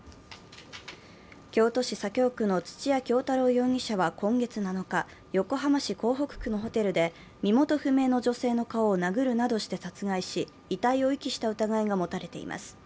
京都市左京区の土屋京多郎容疑者は今月７日、横浜市港北区のホテルで身元不明の女性の顔を殴るなどして殺害し遺体を遺棄した疑いが持たれています。